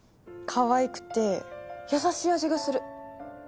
かわいくて優しい味がする。